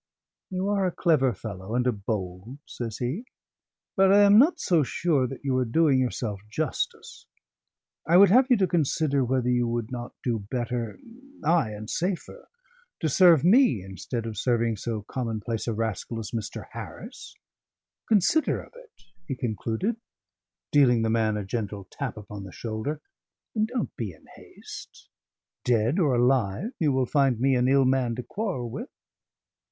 "You are a clever fellow and a bold," says he, "but I am not so sure that you are doing yourself justice. I would have you to consider whether you would not do better, ay, and safer, to serve me instead of serving so commonplace a rascal as Mr. Harris. Consider of it," he concluded, dealing the man a gentle tap upon the shoulder, "and don't be in haste. Dead or alive, you will find me an ill man to quarrel with."